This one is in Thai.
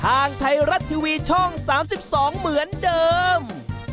ทางไทยรัฐทีวีช่อง๓๒เหมือนเดิม